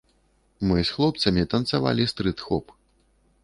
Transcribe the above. Мы з хлопцамі танцавалі стрыт-хоп.